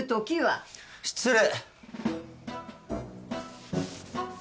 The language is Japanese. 失礼。